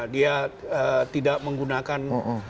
dia tidak menggunakan